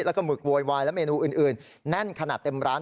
แล้วก็หมึกโวยวายและเมนูอื่นแน่นขนาดเต็มร้าน